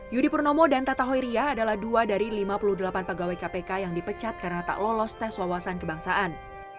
yudi purnomo dan tata hoiria adalah dua dari lima puluh delapan pegawai kpk yang dipecat karena tak lolos tes wawasan kebangsaan